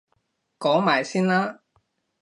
講埋先啦！